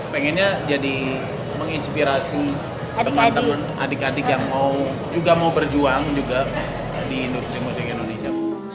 pengennya jadi menginspirasi teman teman adik adik yang juga mau berjuang juga di industri musik indonesia